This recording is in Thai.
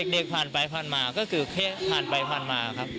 เด็กพาลไปพาลมาก็คือเข้ามา